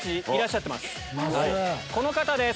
この方です！